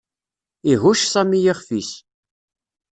Ihucc Sami ixef-is.